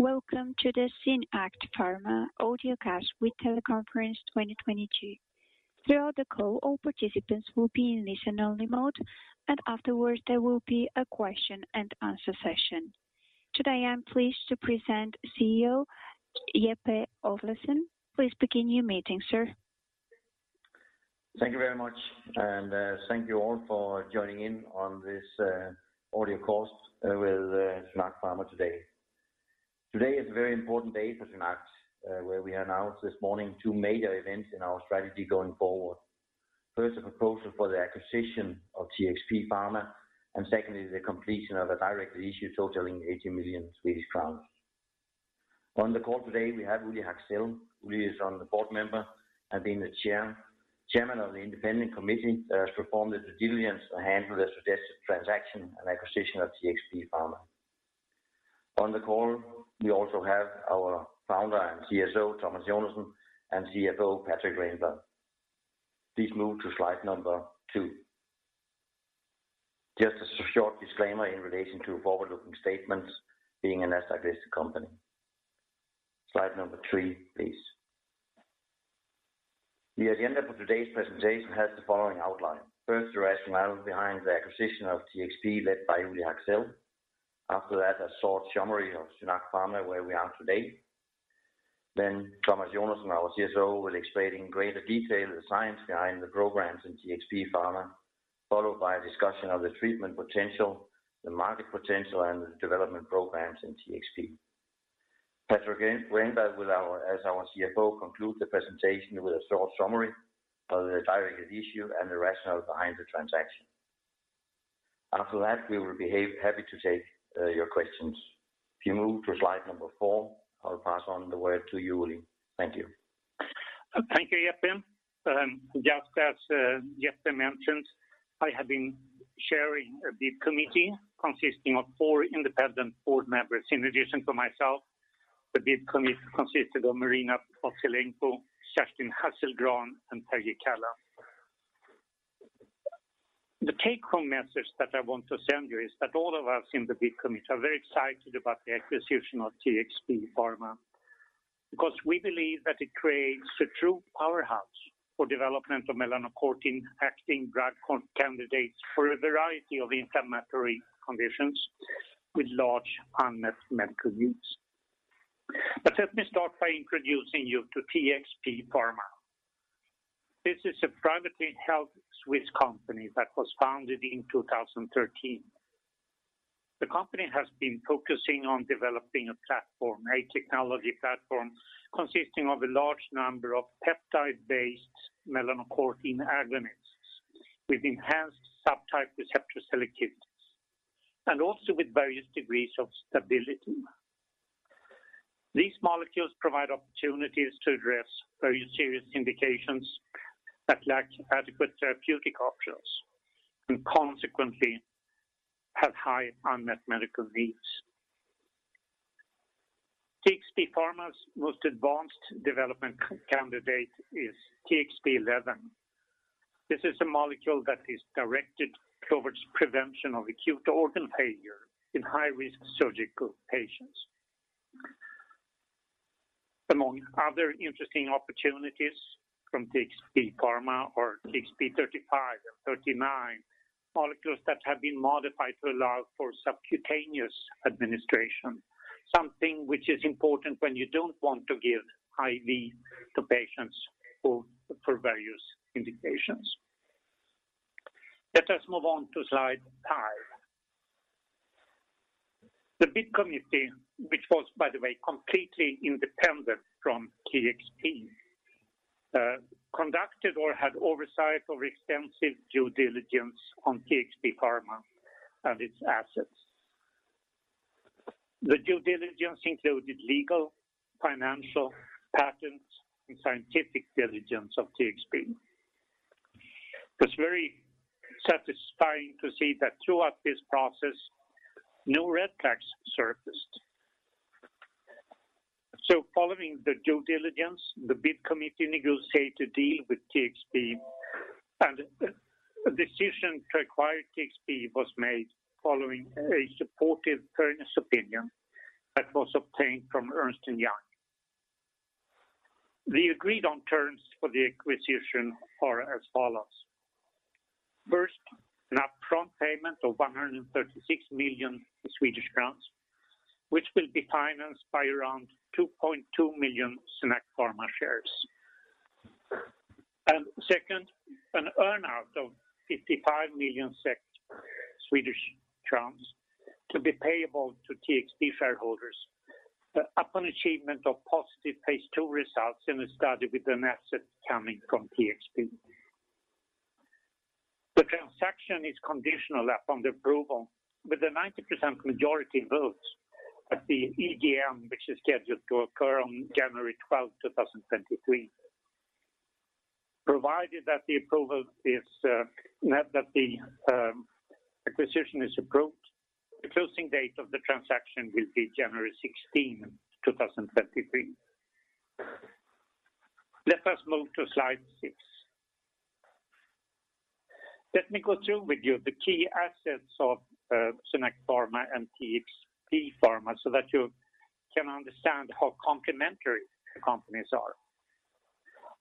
Welcome to the SynAct Pharma Audiocast with Teleconference 2022. Throughout the call, all participants will be in listen-only mode, and afterwards there will be a question and answer session. Today, I am pleased to present CEO Jeppe Øvlesen. Please begin your meeting, sir. Thank you very much, and thank you all for joining in on this audiocast with SynAct Pharma today. Today is a very important day for SynAct, where we announced this morning two major events in our strategy going forward. First, a proposal for the acquisition of TXP Pharma, and secondly, the completion of a directly issue totaling 80 million Swedish crowns. On the call today, we have Uli Hacksell. Uli is on the board member and being the Chairman of the independent committee that has performed the due diligence to handle the suggested transaction and acquisition of TXP Pharma. On the call, we also have our founder and CSO, Thomas Jonassen, and CFO, Patrik Renblad. Please move to slide number two. Just a short disclaimer in relation to forward-looking statements. The take-home message that I want to send you is that all of us in the bid committee are very excited about the acquisition of TXP Pharma because we believe that it creates a true powerhouse for development of melanocortin acting drug candidates for a variety of inflammatory conditions with large unmet medical use. Let me start by introducing you to TXP Pharma. This is a privately held Swiss company that was founded in 2013. The company has been focusing on developing a platform, a technology platform consisting of a large number of peptide-based melanocortin agonists with enhanced subtype receptor selectivities and also with various degrees of stability. These molecules provide opportunities to address very serious indications that lack adequate therapeutic options and consequently have high unmet medical needs. TXP Pharma's most advanced development candidate is TXP-11. This is a molecule that is directed towards prevention of acute organ failure in high-risk surgical patients. Among other interesting opportunities from TXP Pharma are TXP-35 and 39, molecules that have been modified to allow for subcutaneous administration, something which is important when you don't want to give IV to patients for various indications. Let us move on to slide five. The bid committee, which was by the way completely independent from TXP, conducted or had oversight over extensive due diligence on TXP Pharma and its assets. The due diligence included legal, financial, patents, and scientific diligence of TXP. It was very satisfying to see that throughout this process, no red flags surfaced. Following the due diligence, the bid committee negotiated a deal with TXP and a decision to acquire TXP was made following a supportive fairness opinion that was obtained from Ernst & Young. The agreed on terms for the acquisition are as follows. First, an upfront payment of 136 million Swedish crowns, which will be financed by around 2.2 million SynAct Pharma shares. Second, an earn-out of 55 million, Swedish crowns to be payable to TXP shareholders upon achievement of positive phase II results in a study with an asset coming from TXP. The transaction is conditional upon the approval with the 90% majority votes at the EGM, which is scheduled to occur on January 12, 2023. Provided that the approval is, that the acquisition is approved, the closing date of the transaction will be January 16th, 2023. Let us move to slide six. Let me go through with you the key assets of SynAct Pharma and TXP Pharma so that you can understand how complementary the companies are.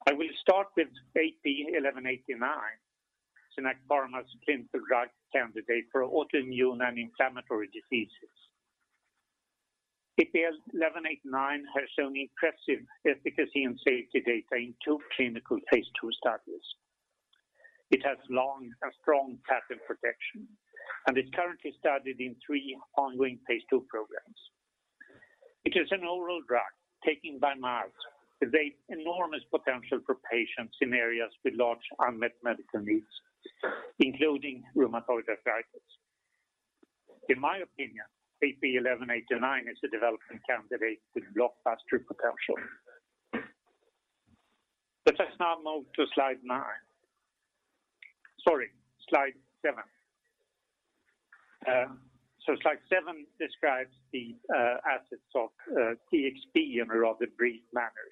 I will start with AP1189, SynAct Pharma's clinical drug candidate for autoimmune and inflammatory diseases. AP1189 has shown impressive efficacy and safety data in two clinical phase II studies. It has long and strong patent protection, and it's currently studied in three ongoing phase II programs. It is an oral drug taken by mouth with a enormous potential for patients in areas with large unmet medical needs, including rheumatoid arthritis. In my opinion, AP1189 is a development candidate with blockbuster potential. Let us now move to slide nine. Sorry, slide seven. So slide seven describes the assets of TXP in a rather brief manner.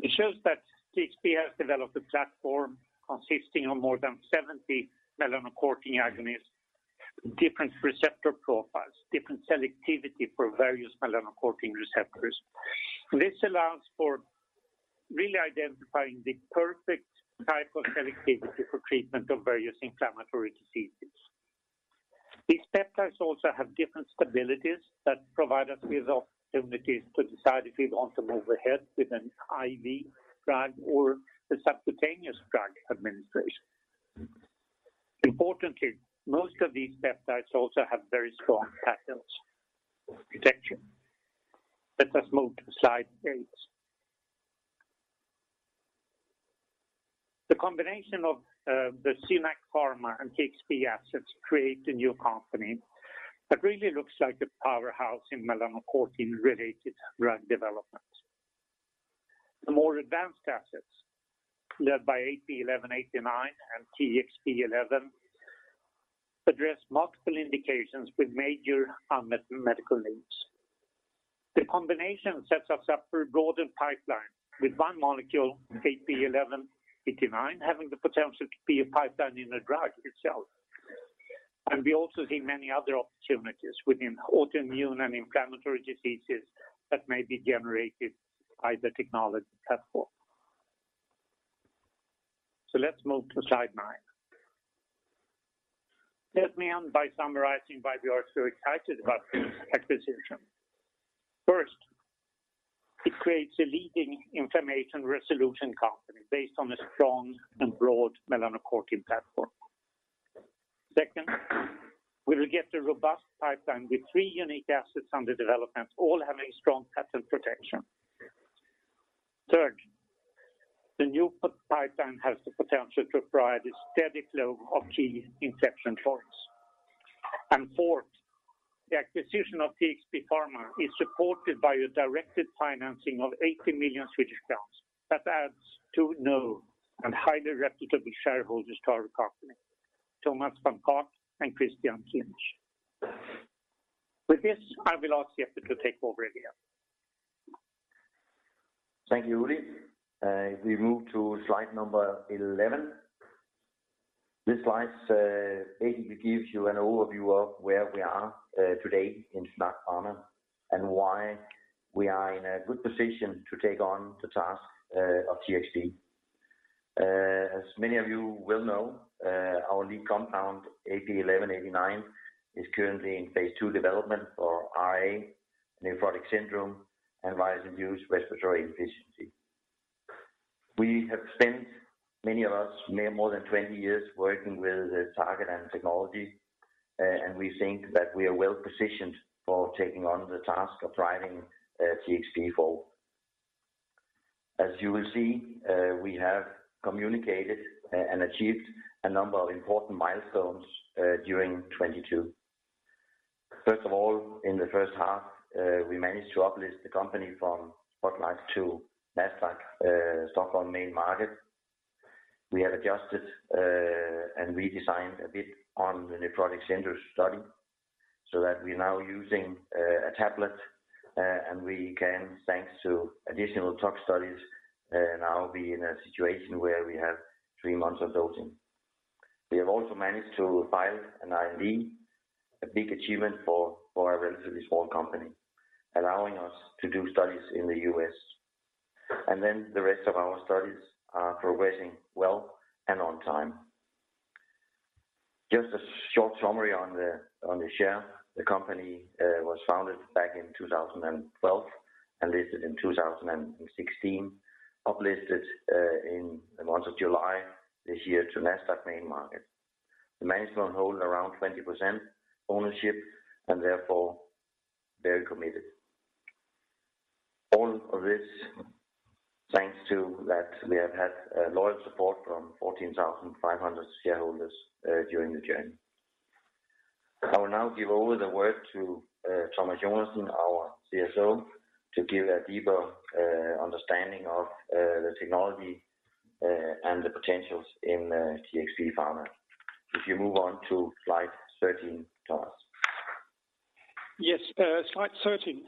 It shows that TXP has developed a platform consisting of more than 70 melanocortin agonists, different receptor profiles, different selectivity for various melanocortin receptors. This allows for really identifying the perfect type of selectivity for treatment of various inflammatory diseases. These peptides also have different stabilities that provide us with opportunities to decide if we want to move ahead with an IV drug or a subcutaneous drug administration. Importantly, most of these peptides also have very strong patent protection. Let us move to slide eight. The combination of the SynAct Pharma and TXP assets create a new company that really looks like a powerhouse in melanocortin-related drug development. The more advanced assets, led by AP1189 and TXP-11, address multiple indications with major unmet medical needs. The combination sets us up for a broader pipeline, with one molecule, AP1189, having the potential to be a pipeline in a drug itself. We also see many other opportunities within autoimmune and inflammatory diseases that may be generated by the technology platform. Let's move to slide nine. Let me end by summarizing why we are so excited about this acquisition. First, it creates a leading inflammation resolution company based on a strong and broad melanocortin platform. Second, we will get a robust pipeline with three unique assets under development, all having strong patent protection. Third, the new pipeline has the potential to provide a steady flow of key inflection points. Fourth, the acquisition of TXP Pharma is supported by a directed financing of 80 million Swedish crowns that adds two new and highly reputable shareholders to our company, Thomas von Koch and Christian Kinch. With this, I will ask Jeppe to take over again. Thank you, Uli. If we move to slide number 11. This slide basically gives you an overview of where we are today in SynAct Pharma and why we are in a good position to take on the task of TXP. As many of you will know, our lead compound, AP1189, is currently in phase II development for RA, nephrotic syndrome, and virus-induced respiratory insufficiency. We have spent, many of us, near more than 20 years working with the target and technology, and we think that we are well-positioned for taking on the task of driving TXP forward. As you will see, we have communicated and achieved a number of important milestones during 2022. First of all, in the first half, we managed to uplist the company from Spotlight to Nasdaq Stockholm Main Market. We have adjusted and redesigned a bit on the nephrotic syndrome study so that we are now using a tablet, and we can, thanks to additional tox studies, now be in a situation where we have three months of dosing. We have also managed to file an IND, a big achievement for a relatively small company, allowing us to do studies in the US. The rest of our studies are progressing well and on time. Just a short summary on the share. The company was founded back in 2012 and listed in 2016. Uplisted in the month of July this year to Nasdaq main market. The management hold around 20% ownership and therefore very committed. All of this thanks to that we have had loyal support from 14,500 shareholders during the journey. I will now give over the word to Thomas Jonassen, our CSO, to give a deeper understanding of the technology and the potentials in TXP Pharma. If you move on to slide 13, Thomas. Yes, slide 13.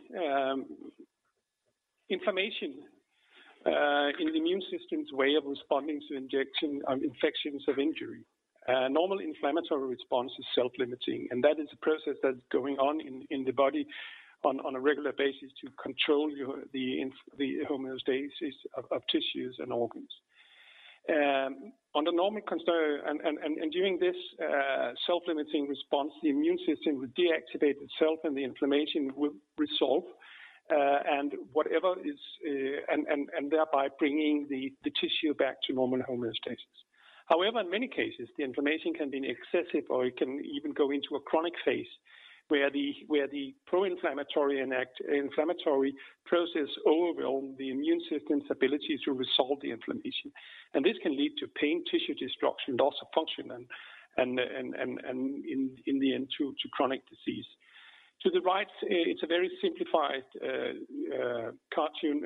Inflammation is the immune system's way of responding to injection, infections of injury. Normal inflammatory response is self-limiting, that is a process that's going on in the body on a regular basis to control the homeostasis of tissues and organs. During this self-limiting response, the immune system will deactivate itself, the inflammation will resolve, and whatever is, and thereby bringing the tissue back to normal homeostasis. However, in many cases the inflammation can be excessive or it can even go into a chronic phase where the proinflammatory and inflammatory process overwhelm the immune system's ability to resolve the inflammation. This can lead to pain, tissue destruction, loss of function and in the end, to chronic disease. To the right, it's a very simplified cartoon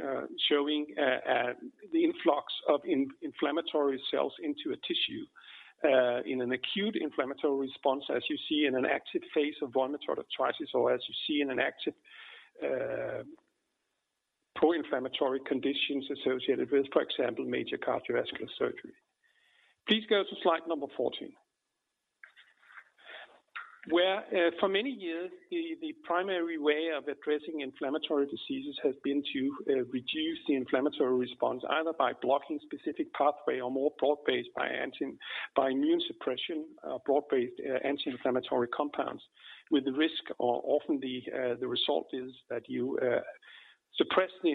showing the influx of inflammatory cells into a tissue in an acute inflammatory response, as you see in an active phase of rheumatoid arthritis, or as you see in an active proinflammatory conditions associated with, for example, major cardiovascular surgery. Please go to slide number 14. Where for many years, the primary way of addressing inflammatory diseases has been to reduce the inflammatory response, either by blocking specific pathway or more broad-based by immune suppression, broad-based anti-inflammatory compounds with the risk or often the result is that you suppress the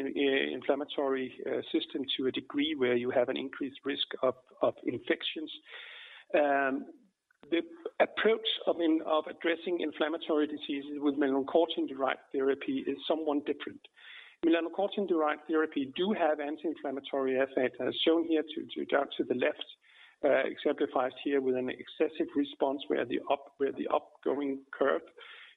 inflammatory system to a degree where you have an increased risk of infections. The approach of addressing inflammatory diseases with melanocortin-derived therapy is somewhat different. Melanocortin-derived therapy do have anti-inflammatory effect, as shown here to the left, exemplified here with an excessive response where the up going curve,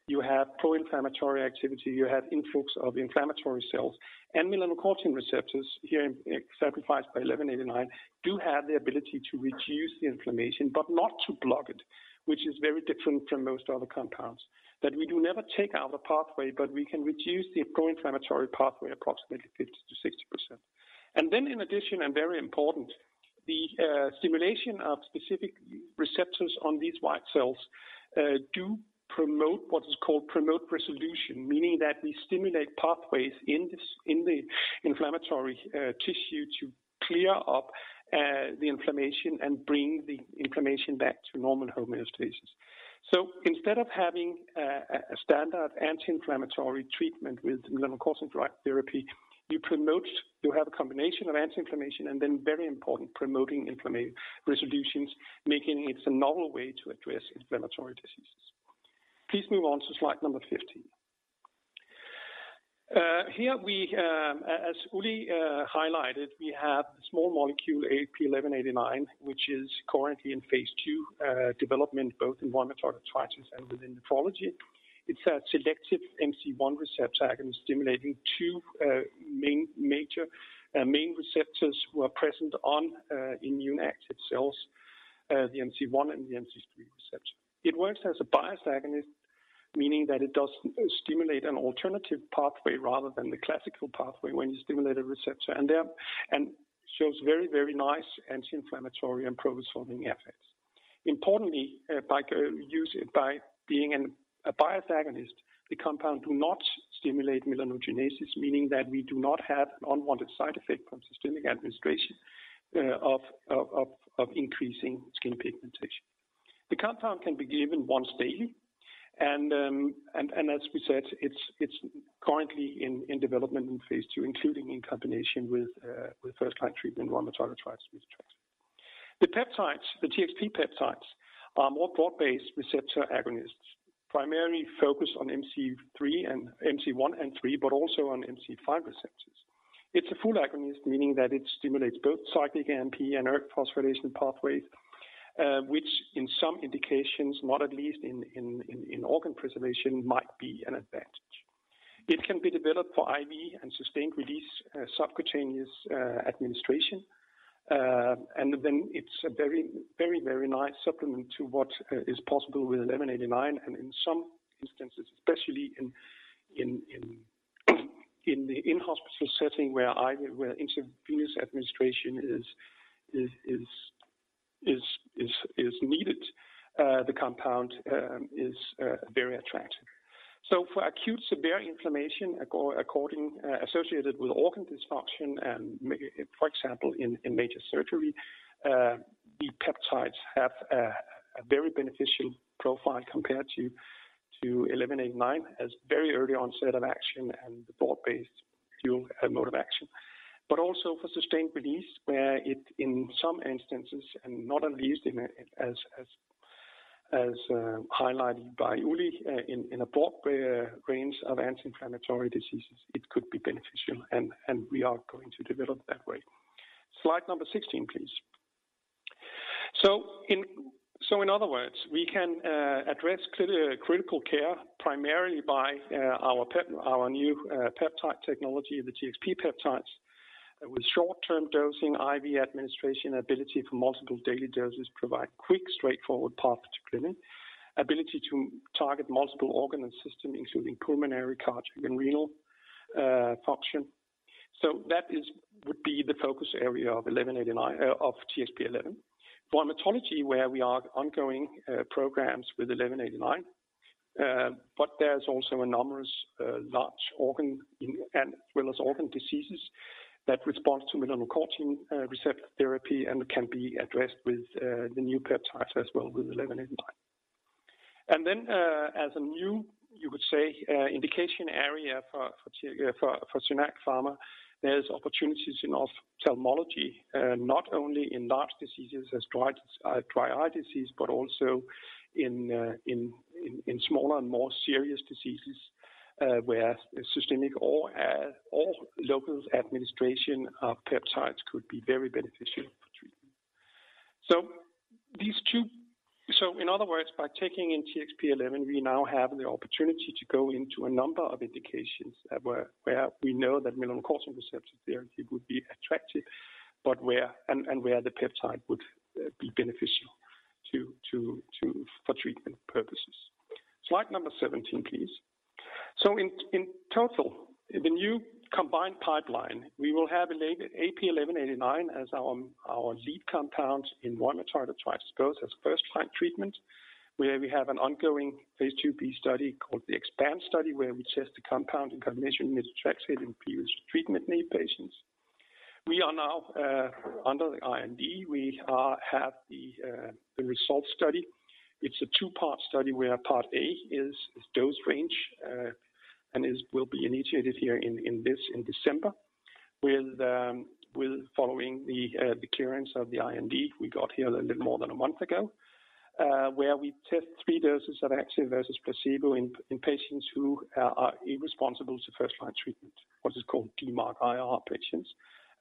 you have proinflammatory activity, you have influx of inflammatory cells, and melanocortin receptors here exemplified by AP1189 do have the ability to reduce the inflammation but not to block it, which is very different from most other compounds. That we do never take out a pathway, but we can reduce the proinflammatory pathway approximately 50%-60%. In addition, and very important, the stimulation of specific receptors on these white cells do promote what is called promote resolution, meaning that we stimulate pathways in the inflammatory tissue to clear up the inflammation and bring the inflammation back to normal homeostasis. Instead of having a standard anti-inflammatory treatment with melanocortin-derived therapy, you have a combination of anti-inflammation and then very important, promoting resolution, making it a novel way to address inflammatory diseases. Please move on to slide number 15. Here we, as Uli highlighted, we have small molecule AP1189, which is currently in phase II development, both in rheumatoid arthritis and within nephrology. It's a selective MC1 receptor agonist stimulating two major main receptors who are present on immune active cells, the MC1 and the MC3 receptor. It works as a biased agonist, meaning that it does stimulate an alternative pathway rather than the classical pathway when you stimulate a receptor and shows very nice anti-inflammatory and pro-resolving effects. Importantly, by being a biased agonist, the compound do not stimulate melanogenesis, meaning that we do not have an unwanted side effect from systemic administration of increasing skin pigmentation. The compound can be given once daily and as we said, it's currently in development in phase II, including in combination with first-line treatment in rheumatoid arthritis with drugs. The peptides, the TXP peptides are more broad-based receptor agonists, primarily focused on MC3R and MC1R and MC3R, but also on MC5R receptors. It's a full agonist, meaning that it stimulates both cyclic AMP and ERK phosphorylation pathways, which in some indications, not at least in organ preservation, might be an advantage. It can be developed for IV and sustained release, subcutaneous administration. It's a very nice supplement to what is possible with AP1189 and in some instances, especially in the in-hospital setting where intravenous administration is needed, the compound is very attractive. For acute severe inflammation according associated with organ dysfunction and for example in major surgery, the peptides have a very beneficial profile compared to AP1189 as very early onset of action and the broad-based dual mode of action, but also for sustained release, where it in some instances, and not at least as highlighted by Uli, in a broad range of anti-inflammatory diseases, it could be beneficial and we are going to develop that way. Slide number 16, please. In other words, we can address critical care primarily by our new peptide technology, the TXP peptides. With short-term dosing, IV administration ability for multiple daily doses provide quick, straightforward path to clinic. Ability to target multiple organ and system, including pulmonary, cardiac, and renal function. That would be the focus area of AP1189 of TXP-11. Rheumatology, where we are ongoing programs with AP1189. There's also enormous, large organ and as well as organ diseases that respond to melanocortin receptor therapy and can be addressed with the new peptides as well with AP1189. As a new, you would say, indication area for SynAct Pharma, there's opportunities in ophthalmology, not only in large diseases as dry eye disease, but also in smaller and more serious diseases, where systemic or local administration of peptides could be very beneficial for treatment. These two... In other words, by taking in TXP-11, we now have the opportunity to go into a number of indications where we know that melanocortin receptor therapy would be attractive, but where and where the peptide would be beneficial for treatment purposes. Slide number 17, please. In total, the new combined pipeline, we will have AP1189 as our lead compound in rheumatoid arthritis both as first-line treatment, where we have an ongoing phase IIb study called the EXPAND study, where we test the compound in combination with methotrexate in previous treatment-naive patients. We are now under the IND, we have the results study. It's a two-part study where part A is dose range and will be initiated here in December following the clearance of the IND we got here a little more than a month ago where we test three doses of AP1189 versus placebo in patients who are irresponsible to first-line treatment. What is called DMARD-IR patients.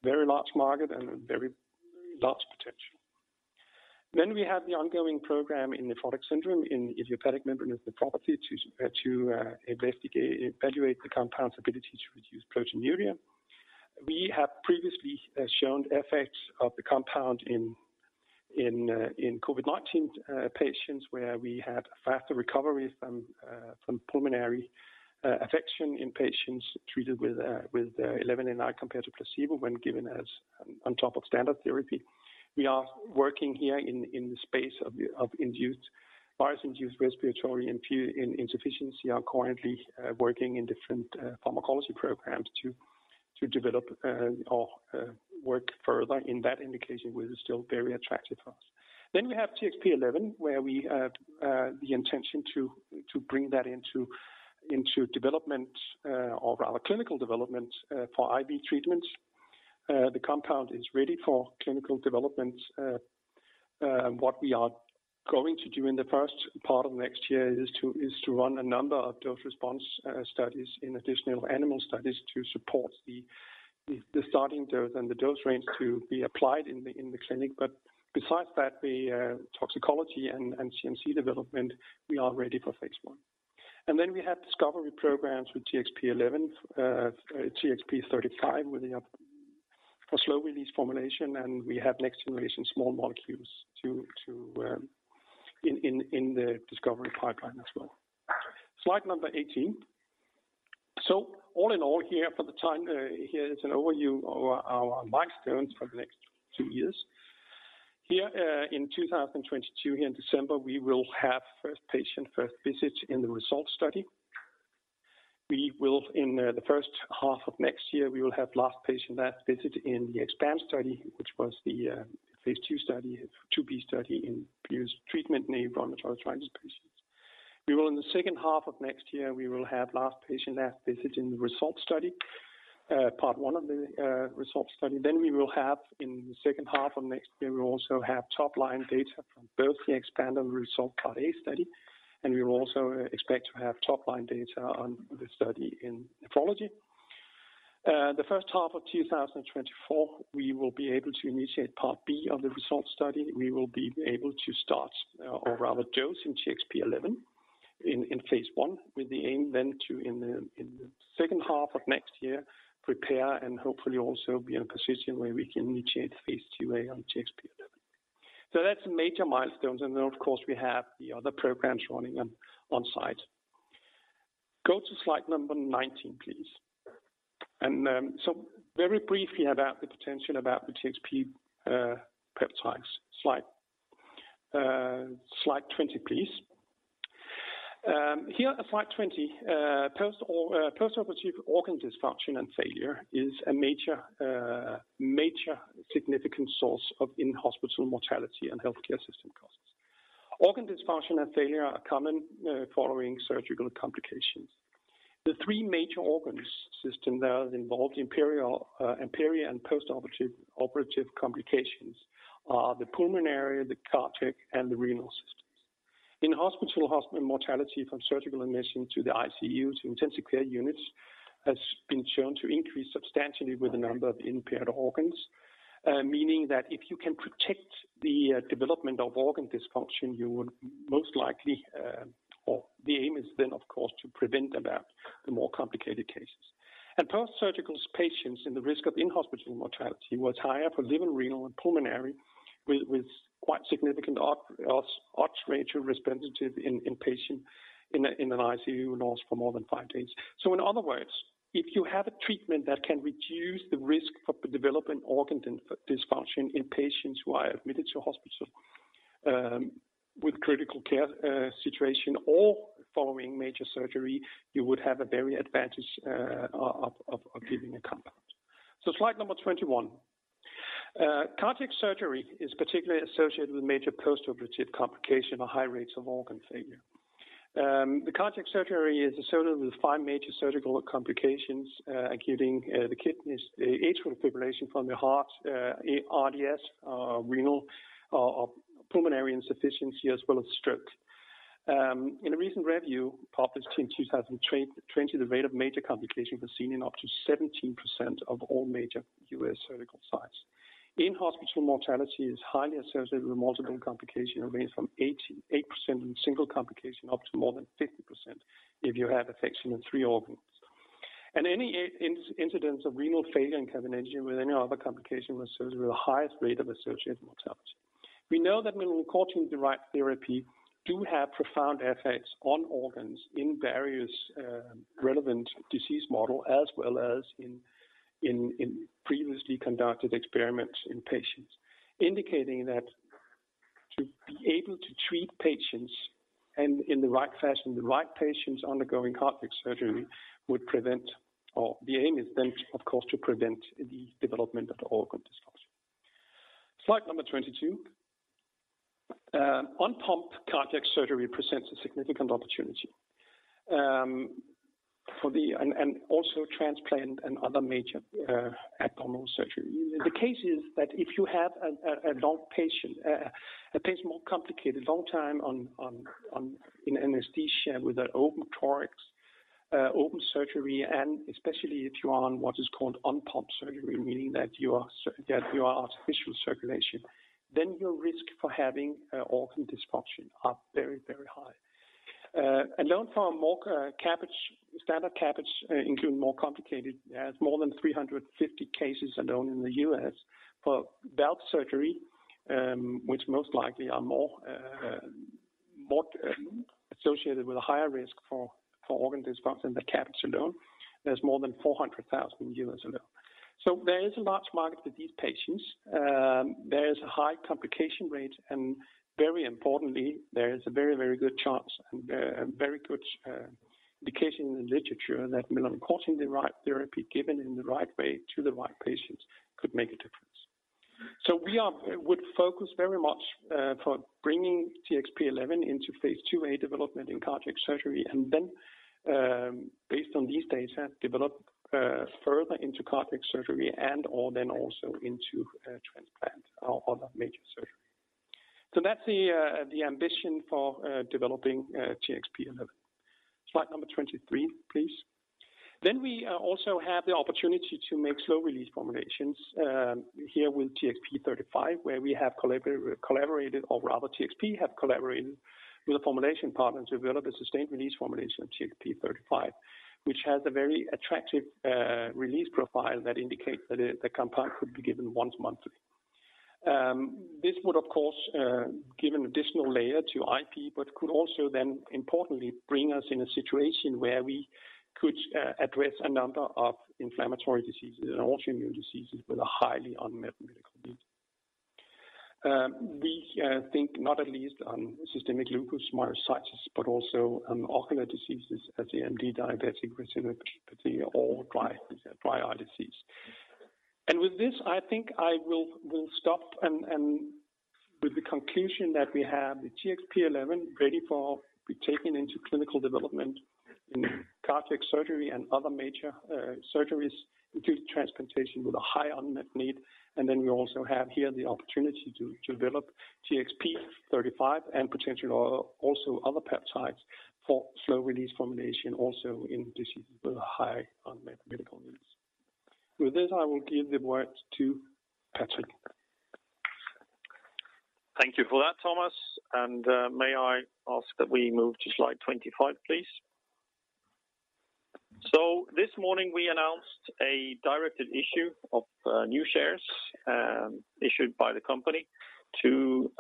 Very large market and a very large potential. We have the ongoing program in nephrotic syndrome in idiopathic membranous nephropathy to evaluate the compound's ability to reduce proteinuria. We have previously shown effects of the compound in COVID-19 patients where we had faster recovery from pulmonary affection in patients treated with AP1189 compared to placebo when given as on top of standard therapy. We are working here in the space of virus-induced respiratory insufficiency, are currently working in different pharmacology programs to develop or work further in that indication, which is still very attractive for us. We have TXP-11, where we have the intention to bring that into development or rather clinical development for IV treatments. The compound is ready for clinical development. What we are going to do in the first part of next year is to run a number of dose response studies in additional animal studies to support the starting dose and the dose range to be applied in the clinic. Besides that, the toxicology and CMC development, we are ready for phase I. Then we have discovery programs with TXP-11, TXP-35 for slow-release formulation, and we have next-generation small molecules in the discovery pipeline as well. Slide number 18. All in all here for the time, here is an overview of our milestones for the next two years. In 2022, here in December, we will have first patient, first visit in the RESOLVE study. We will in the first half of next year, we will have last patient, last visit in the EXPAND study, which was the phase II study, phase IIb study in previous treatment-naive rheumatoid arthritis patients. We will in the second half of next year, we will have last patient, last visit in the RESOLVE study, part one of the RESOLVE study. We will have in the second half of next year, we will also have top-line data from both the EXPAND and RESOLVE part A study, and we will also expect to have top-line data on the study in nephrology. The first half of 2024, we will be able to initiate part B of the RESOLVE study. We will be able to start or rather dose in TXP-11 in phase I with the aim then to in the second half of next year, prepare and hopefully also be in a position where we can initiate phase IIa on TXP-11. That's major milestones and then of course we have the other programs running on site. Go to slide 19, please. Very briefly about the potential about the TXP peptides. Slide 20, please. Here at slide 20, post-operative organ dysfunction and failure is a major significant source of in-hospital mortality and healthcare system costs. Organ dysfunction and failure are common following surgical complications. The three major organ system that is involved in peri and post-operative complications are the pulmonary, the cardiac and the renal systems. In hospital mortality from surgical admission to the ICU, to intensive care units, has been shown to increase substantially with the number of impaired organs. Meaning that if you can protect the development of organ dysfunction, you would most likely, or the aim is then, of course, to prevent that, the more complicated cases. Post-surgical patients and the risk of in-hospital mortality was higher for liver, renal and pulmonary with quite significant odds ratio responsive in patients in an ICU who last for more than five days. In other words, if you have a treatment that can reduce the risk for developing organ dysfunction in patients who are admitted to hospital, with critical care situation or following major surgery, you would have a very advantage of giving a compound. Slide number 21. Cardiac surgery is particularly associated with major postoperative complication or high rates of organ failure. The cardiac surgery is associated with five major surgical complications, including the kidneys, the atrial fibrillation from the heart, ARDS, renal or pulmonary insufficiency as well as stroke. In a recent review published in 2020, the rate of major complications was seen in up to 17% of all major U.S. surgical sites. In-hospital mortality is highly associated with multiple complications that range from 8% in single complication up to more than 50% if you have affection in three organs. Any in-incidence of renal failure in combination with any other complication was associated with the highest rate of associated mortality. We know that melanocortin-derived therapy do have profound effects on organs in various relevant disease model, as well as in previously conducted experiments in patients, indicating that to be able to treat patients and in the right fashion, the right patients undergoing cardiac surgery would prevent or the aim is then of course to prevent the development of the organ dysfunction. Slide number 22. On-pump cardiac surgery presents a significant opportunity. Also transplant and other major abdominal surgery. The case is that if you have an adult patient, a patient more complicated, long time in anesthesia with an open thorax, open surgery, and especially if you are on what is called on-pump surgery, meaning that you are artificial circulation, then your risk for having organ dysfunction are very, very high. Alone from more CABG, standard CABG, including more complicated, has more than 350 cases alone in the U.S. For valve surgery, which most likely are more associated with a higher risk for organ dysfunction than CABG alone, there's more than 400,000 units alone. There is a large market for these patients. There is a high complication rate, and very importantly, there is a very, very good chance and a very good indication in the literature that melanocortin-derived therapy given in the right way to the right patients could make a difference. We would focus very much for bringing TXP-11 into phase IIa development in cardiac surgery, and then, based on these data, develop further into cardiac surgery and or then also into transplant or other major surgery. That's the ambition for developing TXP-11. Slide number 23, please. We also have the opportunity to make slow-release formulations here with TXP-35, where we have collaborated or rather TXP have collaborated with the formulation partner to develop a sustained release formulation of TXP-035, which has a very attractive release profile that indicates that the compound could be given once monthly. This would of course give an additional layer to IP, but could also importantly bring us in a situation where we could address a number of inflammatory diseases and autoimmune diseases with a highly unmet medical need. We think not at least on systemic lupus, myositis, but also on ocular diseases as AMD, diabetic retinopathy or dry eye disease. With this, I think I will stop and with the conclusion that we have the TXP-11 ready for be taken into clinical development in cardiac surgery and other major surgeries, including transplantation with a high unmet need. Then we also have here the opportunity to develop TXP-35 and potentially also other peptides for slow-release formulation also in diseases with high unmet medical needs. With this, I will give the word to Patrik. Thank you for that, Thomas. May I ask that we move to slide 25, please. This morning we announced a directed issue of new shares issued by the company to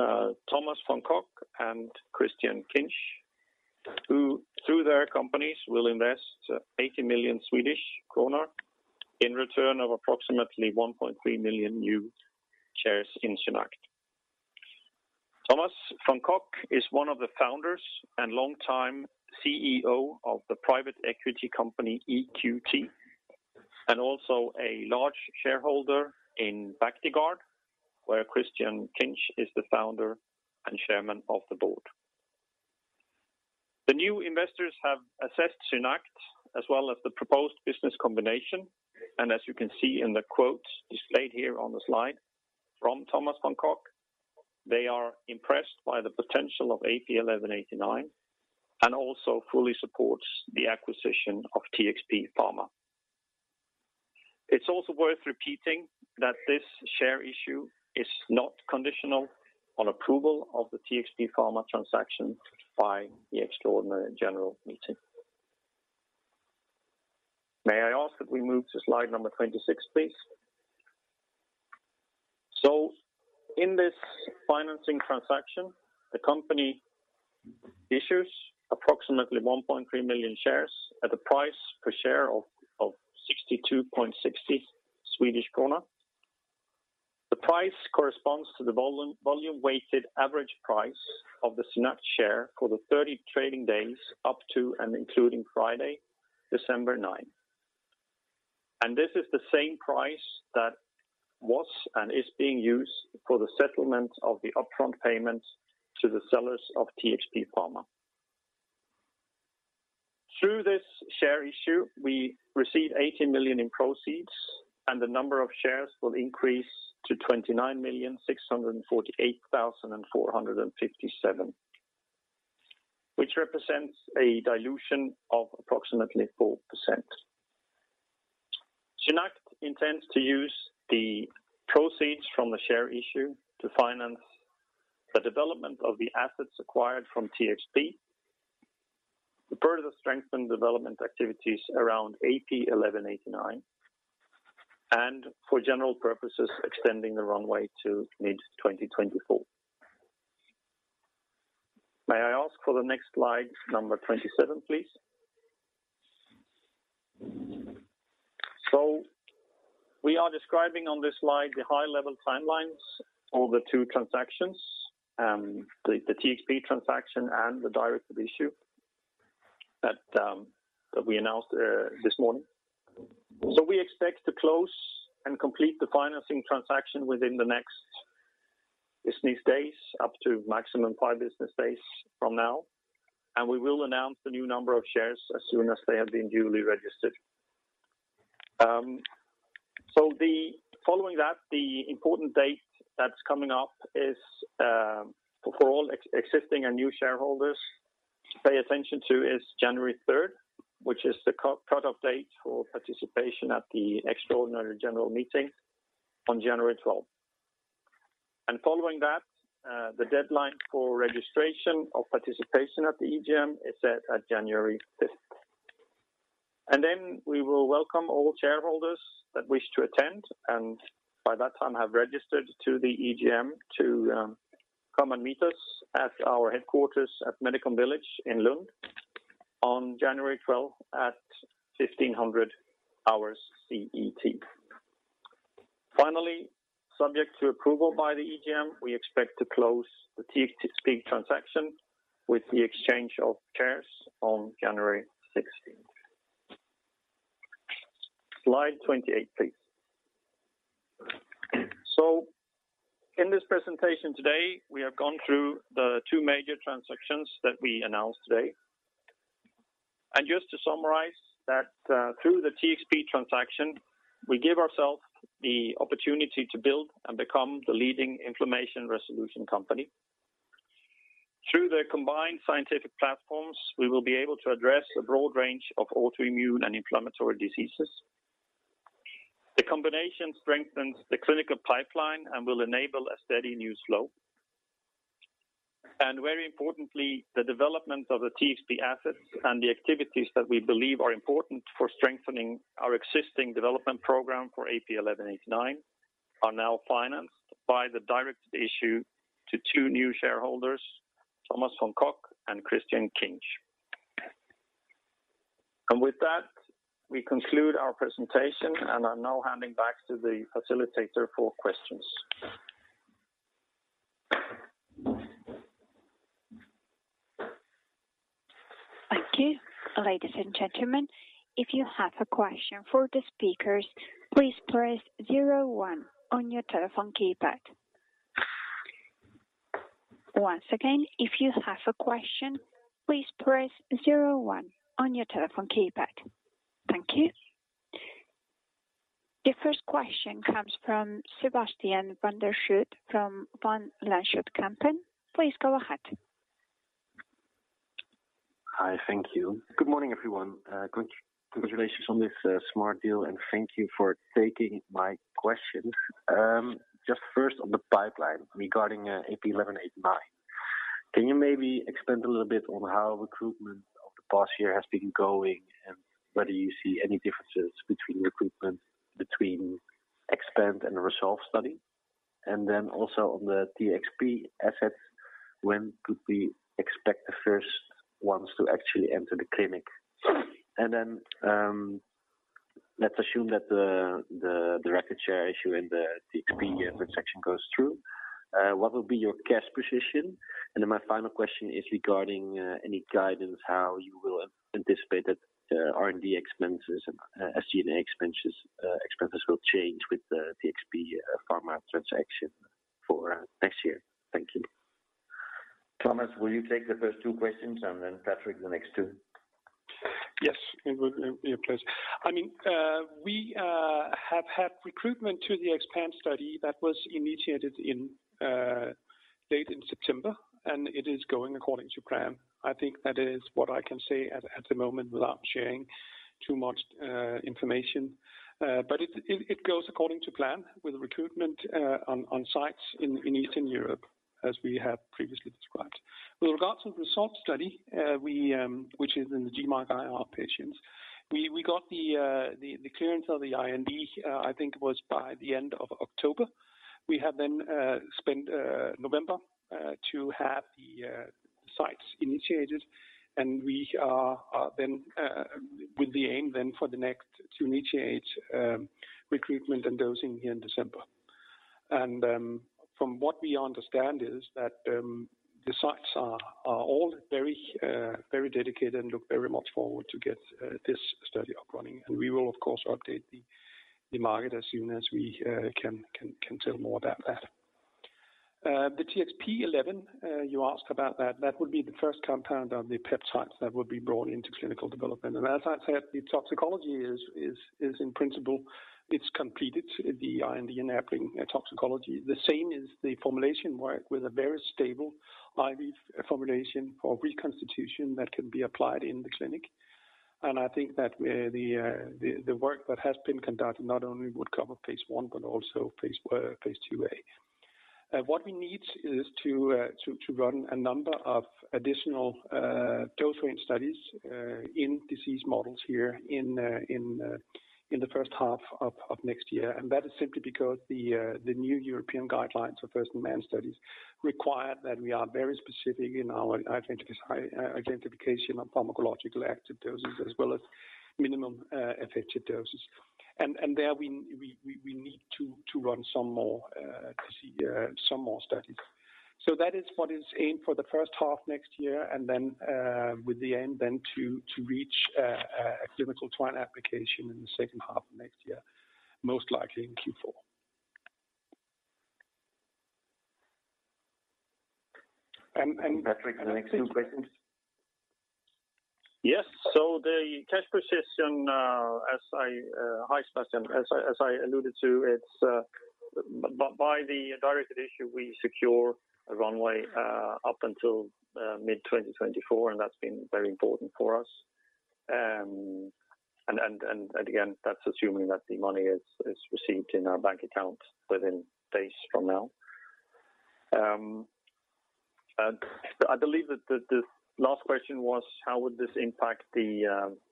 Thomas von Koch and Christian Kinch, who through their companies will invest 80 million Swedish kronor in return of approximately 1.3 million new shares in SynAct. Thomas von Koch is one of the founders and longtime CEO of the private equity company EQT, and also a large shareholder in Bactiguard, where Christian Kinch is the founder and chairman of the board. The new investors have assessed SynAct as well as the proposed business combination, as you can see in the quotes displayed here on the slide from Thomas von Koch. They are impressed by the potential of AP1189 and also fully supports the acquisition of TXP Pharma. It's also worth repeating that this share issue is not conditional on approval of the TXP Pharma transaction by the extraordinary general meeting. May I ask that we move to slide number 26, please. In this financing transaction, the company issues approximately 1.3 million shares at a price per share of 62.60 Swedish krona. The price corresponds to the volume weighted average price of the SynAct share for the 30 trading days up to and including Friday, December ninth. This is the same price that was and is being used for the settlement of the upfront payments to the sellers of TXP Pharma. Through this share issue, we received 80 million in proceeds and the number of shares will increase to 29,648,457. Which represents a dilution of approximately 4%. Synact intends to use the proceeds from the share issue to finance the development of the assets acquired from TXP. To further strengthen development activities around AP1189, and for general purposes, extending the runway to mid-2024. May I ask for the next slide, number 27, please. We are describing on this slide the high-level timelines for the two transactions, the TXP transaction and the directed issue that we announced this morning. We expect to close and complete the financing transaction within the next business days, up to maximum 5 business days from now. We will announce the new number of shares as soon as they have been duly registered. Following that, the important date that's coming up is for all existing and new shareholders to pay attention to is January third, which is the cut off date for participation at the extraordinary general meeting on January 12th. Following that, the deadline for registration of participation at the EGM is set at January fifth. We will welcome all shareholders that wish to attend, and by that time have registered to the EGM to come and meet us at our headquarters at Medicon Village in Lund on January 12th at 3:00 P.M. CET. Finally, subject to approval by the EGM, we expect to close the TXP transaction with the exchange of shares on January 16th. Slide 28, please. In this presentation today, we have gone through the two major transactions that we announced today. Just to summarize that, through the TXP transaction, we give ourselves the opportunity to build and become the leading inflammation resolution company. Through the combined scientific platforms, we will be able to address a broad range of autoimmune and inflammatory diseases. The combination strengthens the clinical pipeline and will enable a steady new slope. Very importantly, the development of the TXP assets and the activities that we believe are important for strengthening our existing development program for AP1189 are now financed by the directed issue to two new shareholders, Thomas von Koch and Christian Kinch. With that, we conclude our presentation and are now handing back to the facilitator for questions. Thank you. Ladies and gentlemen, if you have a question for the speakers, please press zero one on your telephone keypad. Once again, if you have a question, please press zero one on your telephone keypad. Thank you. The first question comes from Sebastiaan van der Schoot from Van Lanschot Kempen. Please go ahead. Hi. Thank you. Good morning, everyone. Congratulations on this smart deal, and thank you for taking my questions. Just first on the pipeline regarding AP1189. Can you maybe expand a little bit on how recruitment of the past year has been going, and whether you see any differences between recruitment between EXPAND and RESOLVE study? Also on the TXP assets, when could we expect the first ones to actually enter the clinic? Let's assume that the directed share issue and the TXP transaction goes through, what will be your cash position? My final question is regarding any guidance how you will anticipate that R&D expenses and SG&A expenses will change with the TXP Pharma transaction for next year. Thank you. Thomas, will you take the first two questions and then Patrik, the next two? Yes, it would be a pleasure. I mean, we have had recruitment to the EXPAND study that was initiated in late in September, it is going according to plan. I think that is what I can say at the moment without sharing too much information. It goes according to plan with recruitment on sites in Eastern Europe as we have previously described. With regards to the RESOLVE study, we, which is in the DMARD-IR patients, we got the clearance of the IND, I think it was by the end of October. We have then spent November to have the sites initiated, we are then with the aim then for the next to initiate recruitment and dosing in December. From what we understand is that the sites are all very dedicated and look very much forward to get this study up running. We will of course update the market as soon as we can tell more about that. The TXP-11, you asked about that. That would be the first compound of the peptides that would be brought into clinical development. As I've said, the toxicology is in principle, it's completed, the IND-enabling toxicology. The same is the formulation work with a very stable IV formulation for reconstitution that can be applied in the clinic. I think that the work that has been conducted not only would cover phase I, but also phase II-A. to run a number of additional dose range studies in disease models here in the first half of next year. That is simply because the new European guidelines for first-in-human studies require that we are very specific in our identification of pharmacological active doses as well as minimum affected doses. And there we need to run some more to see some more studies. That is what is aimed for the first half next year, and then with the end then to reach a clinical trial application in the second half of next year, most likely in Q4. Patrik, the next two questions. Yes. The cash position, as I, hi Sebastiaan, as I alluded to, it's by the directed issue, we secure a runway up until mid-2024, and that's been very important for us. Again, that's assuming that the money is received in our bank account within days from now. I believe that the last question was how would this impact the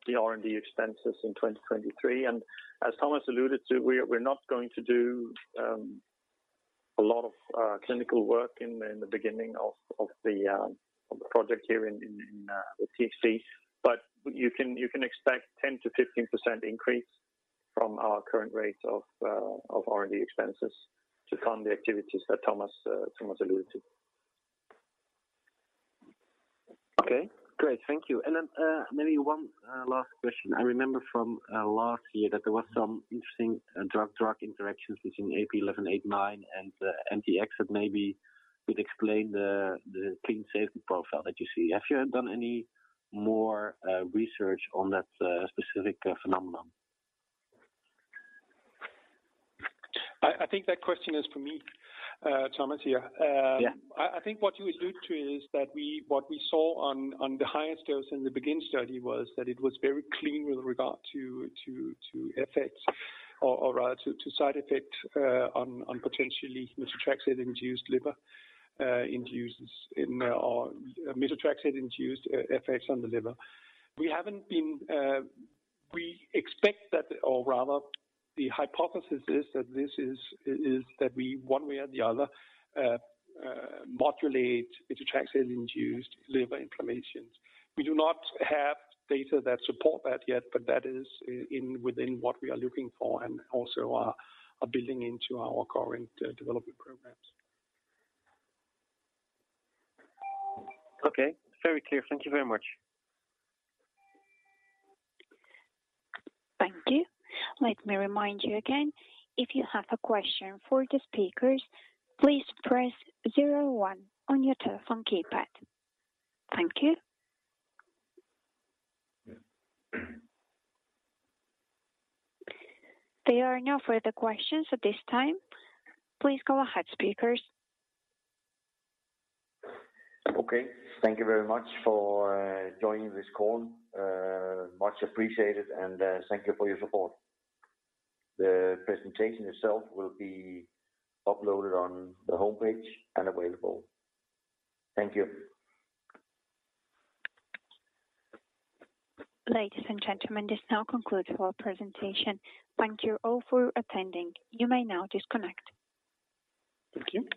R&D expenses in 2023? As Thomas alluded to, we're not going to do a lot of clinical work in the beginning of the project here with TXP. You can expect 10%-15% increase from our current rate of R&D expenses to fund the activities that Thomas alluded to. Okay. Great. Thank you. Then, maybe one last question. I remember from last year that there was some interesting drug-drug interactions between AP1189 and MTX that maybe would explain the clean safety profile that you see. Have you done any more research on that specific phenomenon? I think that question is for me, Thomas here. Yeah. I think what you allude to is that what we saw on the highest dose in the BEGIN study was that it was very clean with regard to effects or rather to side effects on potentially methotrexate induced liver or methotrexate induced effects on the liver. We haven't been, we expect that, or rather the hypothesis is that this is that we one way or the other modulate methotrexate induced liver inflammations. We do not have data that support that yet, but that is within what we are looking for and also are building into our current development programs. Okay. Very clear. Thank you very much. Thank you. Let me remind you again, if you have a question for the speakers, please press zero one on your telephone keypad. Thank you. There are no further questions at this time. Please go ahead, speakers. Okay. Thank you very much for joining this call, much appreciated, and thank you for your support. The presentation itself will be uploaded on the homepage and available. Thank you. Ladies and gentlemen, this now concludes our presentation. Thank you all for attending. You may now disconnect. Thank you.